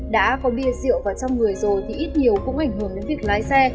đã có bia rượu vào trong người rồi thì ít nhiều cũng ảnh hưởng đến việc lái xe